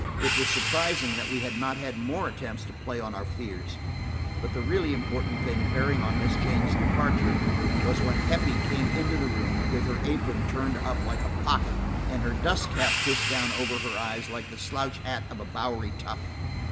It was surprising that we had not had more attempts to play on our fears. But the really important thing bearing on Miss Jane's departure was when Heppie came into the room, with her apron turned up like a pocket and her dust cap pushed down over her eyes like the slouch hat of a bowery tough.